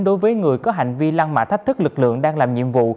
đối với người có hành vi lăng mạ thách thức lực lượng đang làm nhiệm vụ